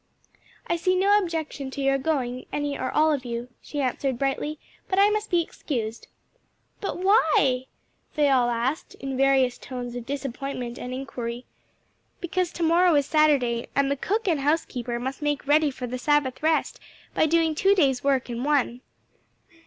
"I see no objection to your going, any or all of you," she answered brightly, "but I must be excused." "But why?" they all asked in various tones of disappointment and inquiry. "Because to morrow is Saturday, and the cook and housekeeper must make ready for the Sabbath rest by doing two days' work in one."